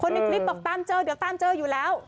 ในคลิปบอกตามเจอเดี๋ยวตามเจออยู่แล้ว